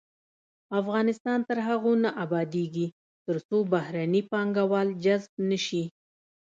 افغانستان تر هغو نه ابادیږي، ترڅو بهرني پانګوال جذب نشي.